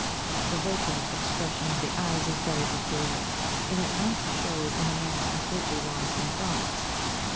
The vacant expression of the eyes is very peculiar, and at once shows when a man is completely lost in thought.